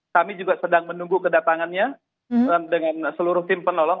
kami juga sedang menunggu kedatangannya dengan seluruh tim penolong